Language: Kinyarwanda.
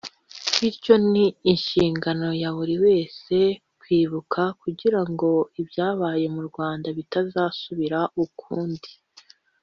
bityo ni inshingano ya buri wese kwibuka kugira ngo ibyabaye mu Rwanda bitazasubira ukundi